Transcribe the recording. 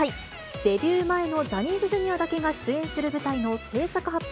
デビュー前のジャニーズＪｒ．だけが出演する舞台の製作発表